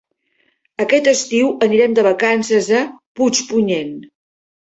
Aquest estiu anirem de vacances a Puigpunyent.